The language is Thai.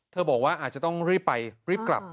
บอกว่าอาจจะต้องรีบไปรีบกลับ